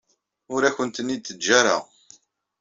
Ur akent-ten-id-teǧǧa ara.